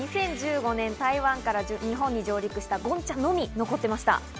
２０１５年、台湾から日本に上陸したゴンチャのみ残っていました。